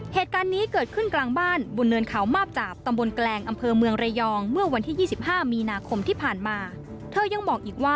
เหตุการณ์นี้เกิดขึ้นกลางบ้านบนเนินเขามาบจาบ